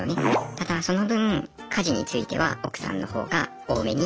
ただその分家事については奥さんの方が多めに。